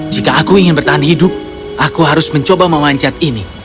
jika aku ingin bertahan hidup aku harus mencoba memanjat ini